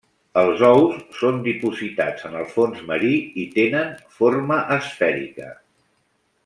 Els ous són dipositats en el fons marí i tenen forma esfèrica.